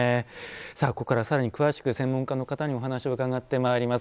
ここからはさらに詳しく専門家の方にお話を伺ってまいります。